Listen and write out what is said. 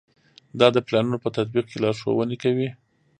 دا د پلانونو په تطبیق کې لارښوونې کوي.